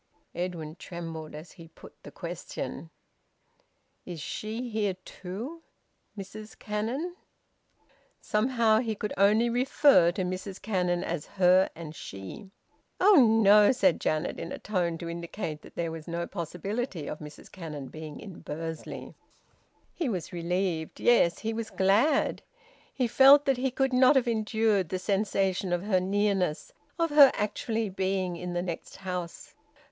Edwin trembled as he put the question "Is she here too Mrs Cannon?" Somehow he could only refer to Mrs Cannon as "her" and "she." "Oh no!" said Janet, in a tone to indicate that there was no possibility of Mrs Cannon being in Bursley. He was relieved. Yes, he was glad. He felt that he could not have endured the sensation of her nearness, of her actually being in the next house.